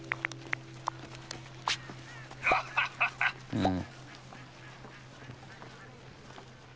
うん。